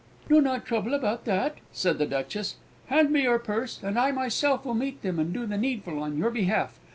"Do not trouble about that," said the Duchess. "Hand me your purse, and I myself will meet them and do the needful on your behalf.